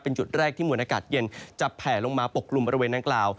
เป็นจุดแรกที่มวลอากาศเย็นจะแผลลงมาปกกลุ่มบริเวณนางกล่าว